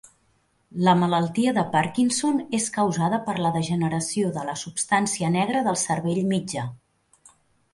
La malaltia de Parkinson és causada per la degeneració de la substància negra del cervell mitjà.